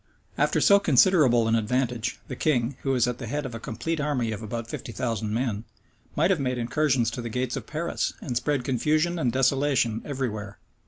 After so considerable an advantage, the king, who was at the head of a complete army of above fifty thousand men, might have made incursions to the gates of Paris, and spread confusion and desolation every where.